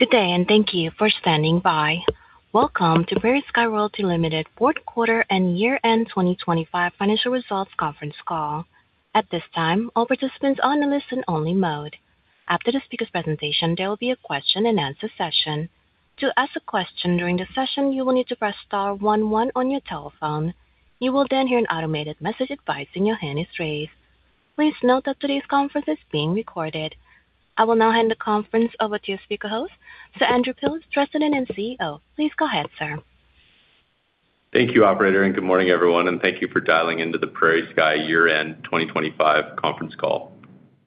Good day, and thank you for standing by. Welcome to PrairieSky Royalty Ltd. Fourth Quarter and Year-End 2025 Financial Results Conference Call. At this time, all participants are on a listen-only mode. After the speaker's presentation, there will be a question-and-answer session. To ask a question during the session, you will need to press star one one on your telephone. You will then hear an automated message advising your hand is raised. Please note that today's conference is being recorded. I will now hand the conference over to your speaker host, Andrew Phillips, President and CEO. Please go ahead, sir. Thank you, operator, and good morning, everyone, and thank you for dialing into the PrairieSky Year-End 2025 conference call.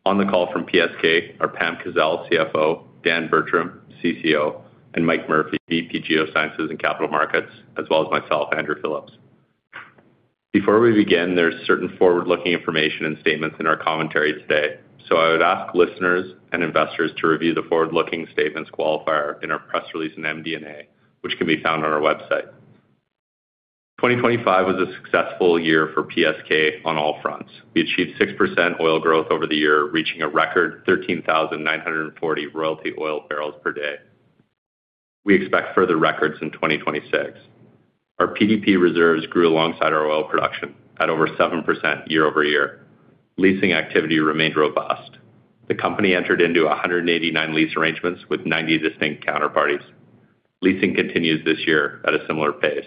On the call from PSK are Pam Kazeil, CFO, Dan Bertram, CCO, and Mike Murphy, VP, Geosciences and Capital Markets, as well as myself, Andrew Phillips. Before we begin, there's certain forward-looking information and statements in our commentary today. So I would ask listeners and investors to review the forward-looking statements qualifier in our press release in MD&A, which can be found on our website. 2025 was a successful year for PSK on all fronts. We achieved 6% oil growth over the year, reaching a record 13,940 royalty oil barrels per day. We expect further records in 2026. Our PDP reserves grew alongside our oil production at over 7% year-over-year. Leasing activity remained robust. The company entered into 189 lease arrangements with 90 distinct counterparties. Leasing continues this year at a similar pace.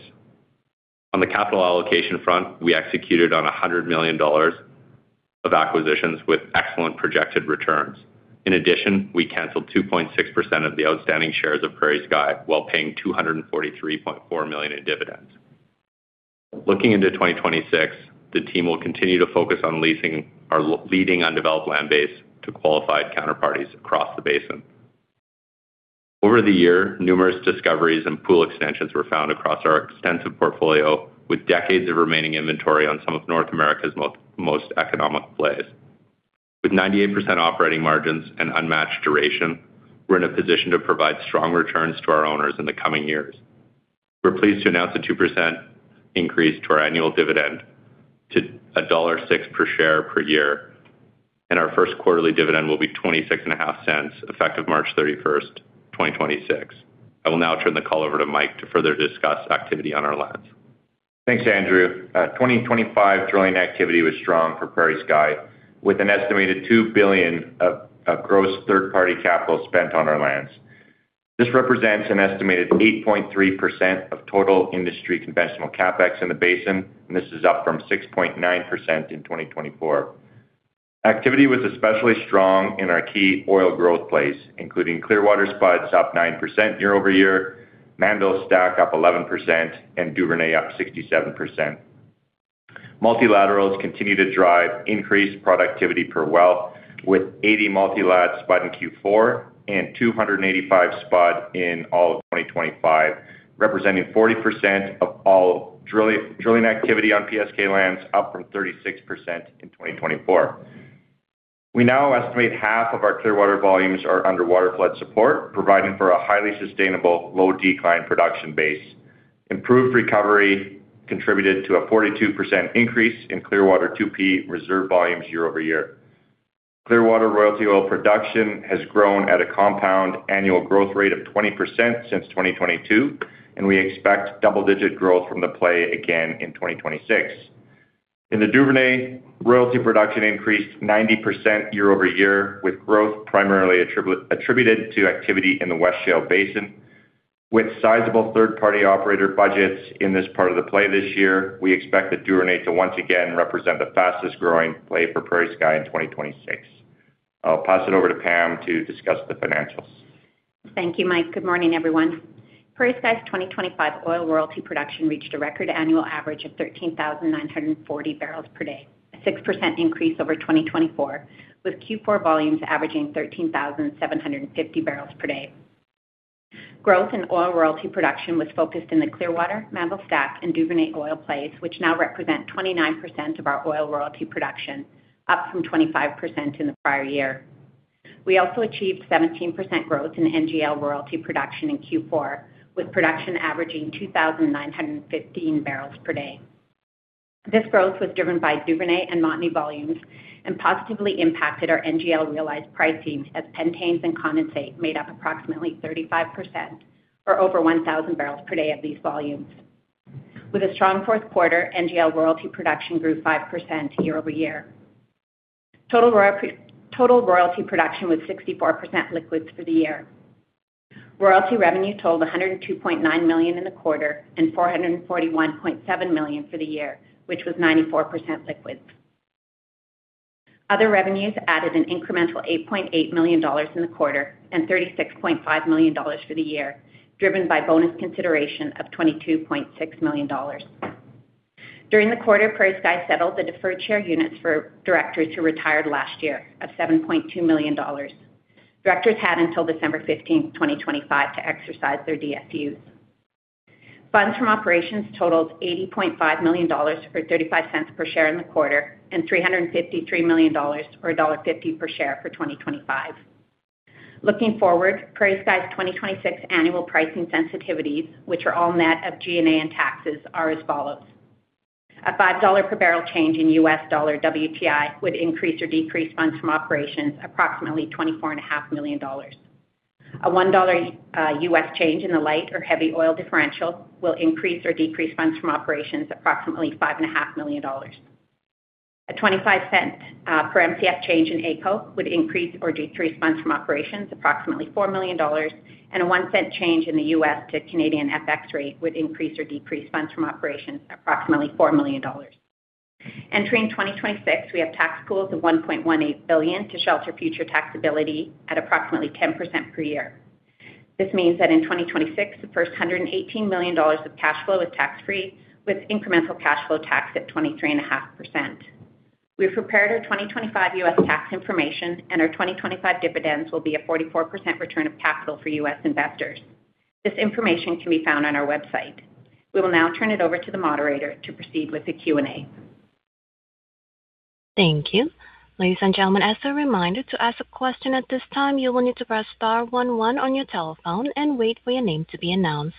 On the capital allocation front, we executed on 100 million dollars of acquisitions with excellent projected returns. In addition, we canceled 2.6% of the outstanding shares of PrairieSky while paying 243.4 million in dividends. Looking into 2026, the team will continue to focus on leasing our leading undeveloped land base to qualified counterparties across the basin. Over the year, numerous discoveries and pool extensions were found across our extensive portfolio, with decades of remaining inventory on some of North America's most, most economic plays. With 98% operating margins and unmatched duration, we're in a position to provide strong returns to our owners in the coming years. We're pleased to announce a 2% increase to our annual dividend to dollar 1.06 per share per year, and our first quarterly dividend will be 0.265, effective March thirty-first, 2026. I will now turn the call over to Mike to further discuss activity on our lands. Thanks, Andrew. 2025 drilling activity was strong for PrairieSky, with an estimated 2 billion of gross third-party capital spent on our lands. This represents an estimated 8.3% of total industry conventional CapEx in the basin, and this is up from 6.9% in 2024. Activity was especially strong in our key oil growth plays, including Clearwater spuds, up 9% year-over-year, Mannville Stack up 11%, and Duvernay up 67%. Multilaterals continue to drive increased productivity per well, with 80 multilats spud in Q4 and 285 spud in all of 2025, representing 40% of all drilling activity on PSK lands, up from 36% in 2024. We now estimate half of our Clearwater volumes are under waterflood support, providing for a highly sustainable, low-decline production base. Improved recovery contributed to a 42% increase in Clearwater P reserve volumes year-over-year. Clearwater royalty oil production has grown at a compound annual growth rate of 20% since 2022, and we expect double-digit growth from the play again in 2026. In the Duvernay, royalty production increased 90% year-over-year, with growth primarily attributed to activity in the West Shale Basin. With sizable third-party operator budgets in this part of the play this year, we expect the Duvernay to once again represent the fastest-growing play for PrairieSky in 2026. I'll pass it over to Pam to discuss the financials. Thank you, Mike. Good morning, everyone. PrairieSky's 2025 oil royalty production reached a record annual average of 13,940 barrels per day, a 6% increase over 2024, with Q4 volumes averaging 13,750 barrels per day. Growth in oil royalty production was focused in the Clearwater, Mannville Stack and Duvernay oil plays, which now represent 29% of our oil royalty production, up from 25% in the prior year. We also achieved 17% growth in NGL royalty production in Q4, with production averaging 2,915 barrels per day. This growth was driven by Duvernay and Montney volumes and positively impacted our NGL realized pricing, as pentanes and condensate made up approximately 35% or over 1,000 barrels per day of these volumes. With a strong fourth quarter, NGL royalty production grew 5% year-over-year. Total royalty production was 64% liquids for the year. Royalty revenue totaled 102.9 million in the quarter and 441.7 million for the year, which was 94% liquids. Other revenues added an incremental 8.8 million dollars in the quarter and 36.5 million dollars for the year, driven by bonus consideration of 22.6 million dollars. During the quarter, PrairieSky settled the deferred share units for directors who retired last year of 7.2 million dollars. Directors had until December 15th, 2025, to exercise their DSUs. Funds from operations totaled 80.5 million dollars, or 0.35 per share in the quarter, and 353 million dollars, or dollar 1.50 per share for 2025. Looking forward, PrairieSky's 2026 annual pricing sensitivities, which are all net of G&A and taxes, are as follows.... A $5 per barrel change in US dollar WTI would increase or decrease funds from operations approximately 24.5 million dollars. A $1, US change in the light or heavy oil differential will increase or decrease funds from operations approximately 5.5 million dollars. A 25-cent per Mcf change in AECO would increase or decrease funds from operations approximately 4 million dollars, and a 1-cent change in the U.S. to Canadian FX rate would increase or decrease funds from operations approximately 4 million dollars. Entering 2026, we have tax pools of 1.18 billion to shelter future taxability at approximately 10% per year. This means that in 2026, the first 118 million dollars of cash flow is tax-free, with incremental cash flow tax at 23.5%. We've prepared our 2025 U.S. tax information, and our 2025 dividends will be a 44% return of capital for U.S. investors. This information can be found on our website. We will now turn it over to the moderator to proceed with the Q&A. Thank you. Ladies and gentlemen, as a reminder, to ask a question at this time, you will need to press star one one on your telephone and wait for your name to be announced.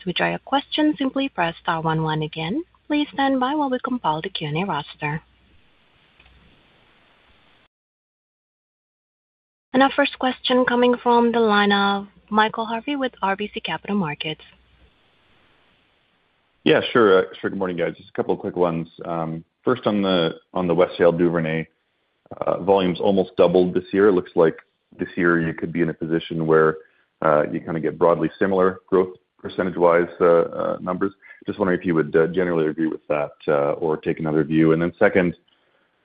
To withdraw your question, simply press star one one again. Please stand by while we compile the Q&A roster. Our first question coming from the line of Michael Harvey with RBC Capital Markets. Yeah, sure. Sure, good morning, guys. Just a couple of quick ones. First, on the, on the West Shale Basin Duvernay, volumes almost doubled this year. It looks like this year you could be in a position where, you kind of get broadly similar growth percentage-wise, numbers. Just wondering if you would, generally agree with that, or take another view. And then second,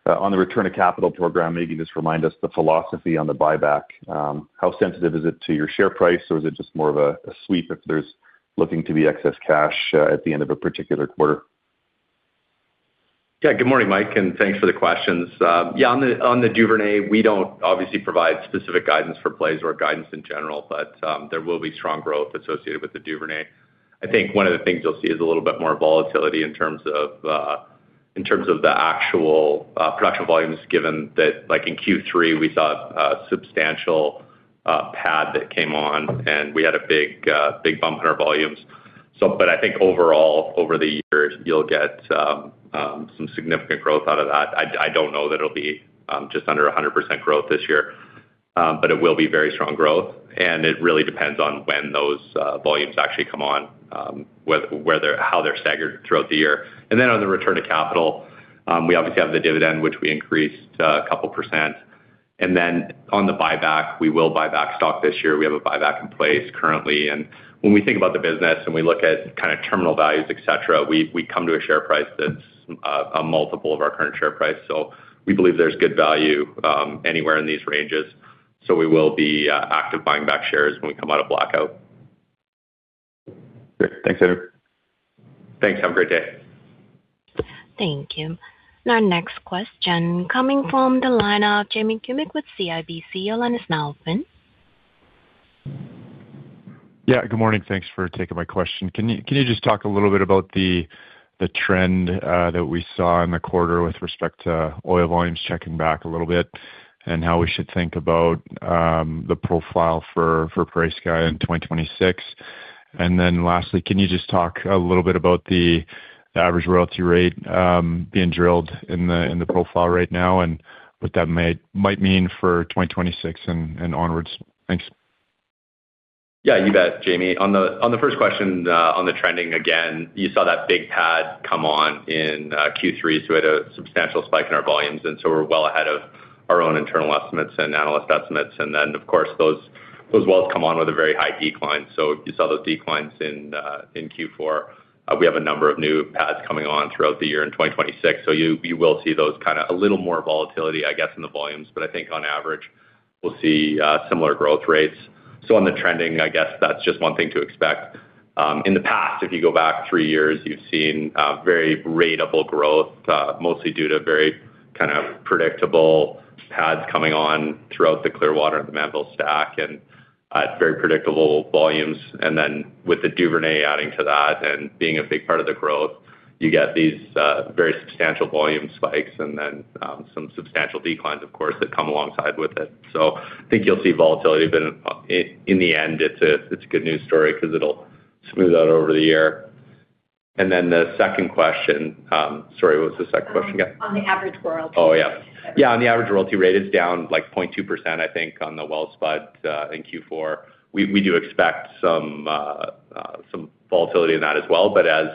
on the return of capital program, maybe just remind us the philosophy on the buyback. How sensitive is it to your share price, or is it just more of a, a sweep if there's looking to be excess cash, at the end of a particular quarter? Yeah. Good morning, Mike, and thanks for the questions. Yeah, on the Duvernay, we don't obviously provide specific guidance for plays or guidance in general, but there will be strong growth associated with the Duvernay. I think one of the things you'll see is a little bit more volatility in terms of the actual production volumes, given that, like in Q3, we saw a substantial pad that came on, and we had a big bump in our volumes. So, but I think overall, over the years, you'll get some significant growth out of that. I don't know that it'll be just under 100% growth this year, but it will be very strong growth, and it really depends on when those volumes actually come on, where they're, how they're staggered throughout the year. Then on the return to capital, we obviously have the dividend, which we increased a couple percent, and then on the buyback, we will buy back stock this year. We have a buyback in place currently, and when we think about the business and we look at kind of terminal values, et cetera, we come to a share price that's a multiple of our current share price. So we believe there's good value anywhere in these ranges. So we will be active buying back shares when we come out of blackout. Great. Thanks, Andrew. Thanks. Have a great day. Thank you. Our next question coming from the line of Jamie Kubik with CIBC. Your line is now open. Yeah, good morning. Thanks for taking my question. Can you just talk a little bit about the trend that we saw in the quarter with respect to oil volumes checking back a little bit, and how we should think about the profile for PrairieSky in 2026? And then lastly, can you just talk a little bit about the average royalty rate being drilled in the profile right now, and what that may, might mean for 2026 and onwards? Thanks. Yeah, you bet, Jamie. On the first question, on the trending again, you saw that big pad come on in Q3, so we had a substantial spike in our volumes, and so we're well ahead of our own internal estimates and analyst estimates. And then, of course, those wells come on with a very high decline. So you saw those declines in Q4. We have a number of new pads coming on throughout the year in 2026, so you will see those kind of a little more volatility, I guess, in the volumes, but I think on average, we'll see similar growth rates. So on the trending, I guess that's just one thing to expect. In the past, if you go back three years, you've seen very ratable growth, mostly due to very kind of predictable pads coming on throughout the Clearwater and the Mannville Stack, and very predictable volumes. And then with the Duvernay adding to that and being a big part of the growth, you get these very substantial volume spikes and then some substantial declines, of course, that come alongside with it. So I think you'll see volatility, but in, in the end, it's a, it's a good news story because it'll smooth out over the year. And then the second question... Sorry, what was the second question again? On the average royalty. Oh, yeah. Yeah, on the average, royalty rate is down, like 0.2%, I think, on the well spot in Q4. We do expect some volatility in that as well, but as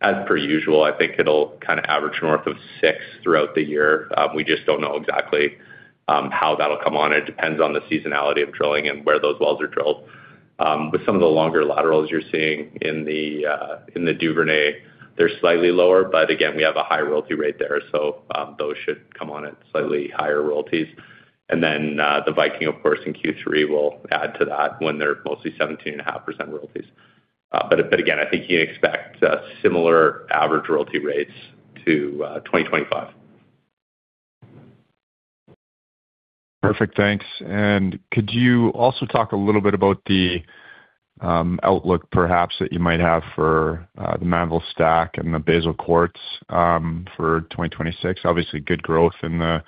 per usual, I think it'll kind of average north of 6% throughout the year. We just don't know exactly how that'll come on. It depends on the seasonality of drilling and where those wells are drilled. With some of the longer laterals you're seeing in the Duvernay, they're slightly lower, but again, we have a high royalty rate there, so those should come on at slightly higher royalties. And then the Viking, of course, in Q3, will add to that when they're mostly 17.5% royalties. But again, I think you expect a similar average royalty rates to 2025. Perfect. Thanks. And could you also talk a little bit about the outlook, perhaps, that you might have for the Mannville Stack and the Basal Quartz for 2026? Obviously, good growth in the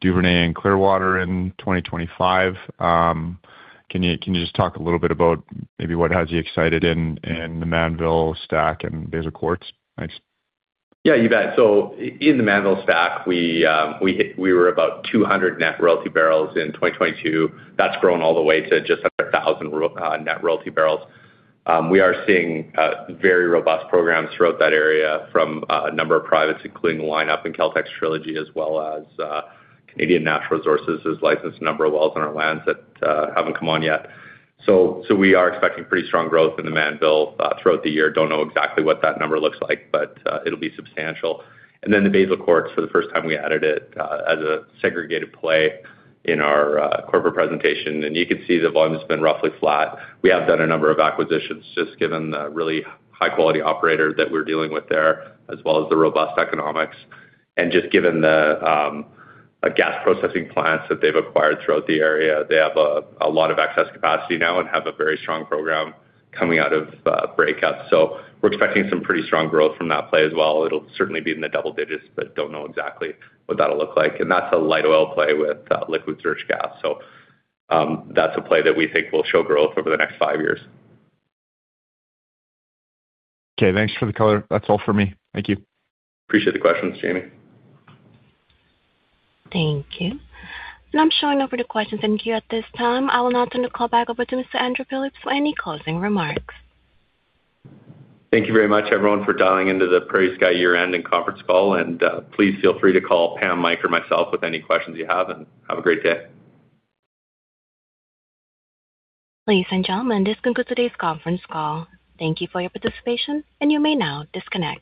Duvernay and Clearwater in 2025. Can you, can you just talk a little bit about maybe what has you excited in the Mannville Stack and Basal Quartz? Thanks. Yeah, you bet. So in the Mannville Stack, we were about 200 net royalty barrels in 2022. That's grown all the way to just under 1,000 net royalty barrels. We are seeing very robust programs throughout that area from a number of privates, including Lycos and Caltex, Trilogy, as well as Canadian Natural Resources has licensed a number of wells on our lands that haven't come on yet. So we are expecting pretty strong growth in the Mannville throughout the year. Don't know exactly what that number looks like, but it'll be substantial. And then the Basal Quartz, for the first time, we added it as a segregated play in our corporate presentation, and you can see the volume's been roughly flat. We have done a number of acquisitions, just given the really high quality operator that we're dealing with there, as well as the robust economics, and just given the gas processing plants that they've acquired throughout the area. They have a lot of excess capacity now and have a very strong program coming out of breakup. So we're expecting some pretty strong growth from that play as well. It'll certainly be in the double digits, but don't know exactly what that'll look like. And that's a light oil play with liquid surge gas. So that's a play that we think will show growth over the next five years. Okay, thanks for the color. That's all for me. Thank you. Appreciate the questions, Jamie. Thank you. I'm going over the questions in queue at this time. I will now turn the call back over to Mr. Andrew Phillips for any closing remarks. Thank you very much, everyone, for dialing into the PrairieSky year-end and conference call, and please feel free to call Pam, Mike, or myself with any questions you have, and have a great day. Ladies and gentlemen, this concludes today's conference call. Thank you for your participation, and you may now disconnect.